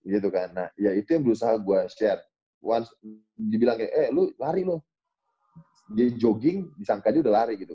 gitu kan nah itu yang berusaha gue share dibilang kayak eh lu lari loh dia jogging disangka dia udah lari gitu